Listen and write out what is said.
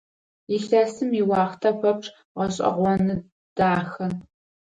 Илъэсым иуахътэ пэпчъ гъэшӀэгъоны, дахэ.